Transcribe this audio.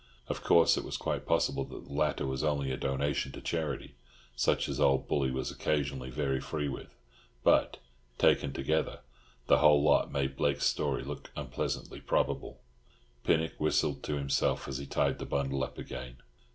Of course it was quite possible that the latter was only a donation to charity, such as old Bully was occasionally very free with; but, taken together, the whole lot made Blake's story look unpleasantly probable. Pinnock whistled to himself as he tied the bundle up again.